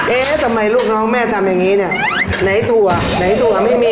เอ๊ะทำไมลูกน้องแม่ทำอย่างงี้เนี่ย